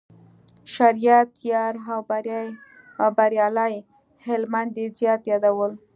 شریعت یار او بریالي هلمند یې زیات یادول.